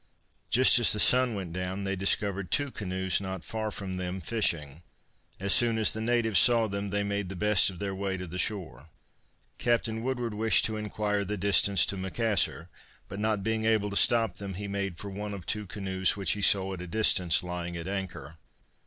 Just as the sun went down they discovered two canoes not far from them fishing. As soon as the natives saw them they made the best of their way to the shore. Captain Woodward wished to inquire the distance to Macassar, but not being able to stop them he made for one of two canoes which he saw at a distance lying at anchor.